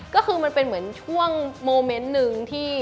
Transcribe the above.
ก็คือมันเป็นเหมือนช่วงโมเม้นท์นึง